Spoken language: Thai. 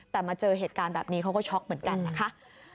แต่มาเจอเหตุการณ์แบบนี้เขาก็ช็อกเหมือนกันนะคะ